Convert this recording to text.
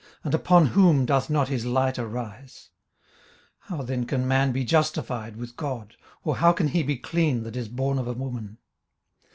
and upon whom doth not his light arise? 18:025:004 How then can man be justified with God? or how can he be clean that is born of a woman?